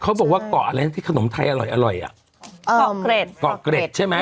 บอกว่าเกาะอะไรนะที่ขนมไทยอร่อยอร่อยอ่ะเกาะเกร็ดเกาะเกร็ดใช่ไหม